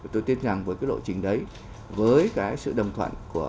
tôi tin rằng với cái lộ trình đấy với cái sự đồng thuận của